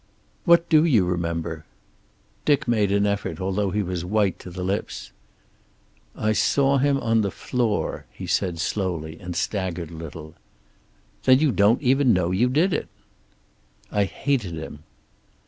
"What do you remember?" Dick made an effort, although he was white to the lips. "I saw him on the floor," he said slowly, and staggered a little. "Then you don't even know you did it." "I hated him."